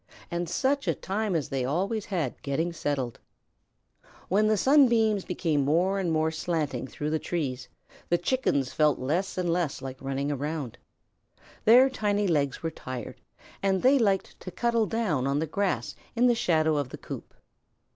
And such a time as they always had getting settled! When the sunbeams came more and more slantingly through the trees, the Chickens felt less and less like running around. Their tiny legs were tired and they liked to cuddle down on the grass in the shadow of the coop.